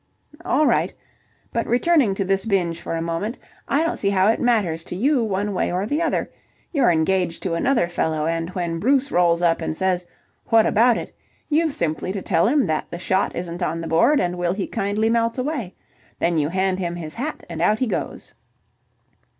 "All right. But, returning to this binge for a moment, I don't see how it matters to you one way or the other. You're engaged to another fellow, and when Bruce rolls up and says: 'What about it?' you've simply to tell him that the shot isn't on the board and will he kindly melt away. Then you hand him his hat and out he goes."